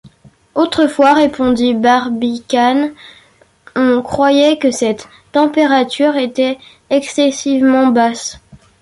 Autrefois, répondit Barbicane, on croyait que cette température était excessivement basse.